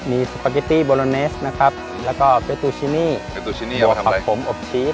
มีสปาเกตตี้บอโลเนสนะครับแล้วก็เฟตูชินี่โหครับผมอบชีส